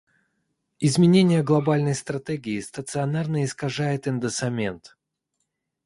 Изменение глобальной стратегии стационарно искажает индоссамент.